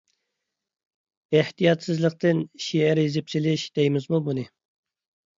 ئېھتىياتسىزلىقتىن شېئىر يېزىپ سېلىش دەيمىزمۇ بۇنى؟ !